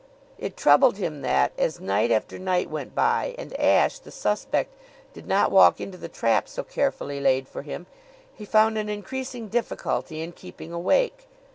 It troubled him that, as night after night went by and Ashe, the suspect, did not walk into the trap so carefully laid for him, he found an increasing difficulty in keeping awake.